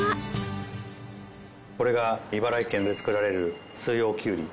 これが茨城県で作られる四葉きゅうり。